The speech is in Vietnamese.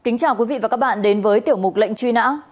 kính chào quý vị và các bạn đến với tiểu mục lệnh truy nã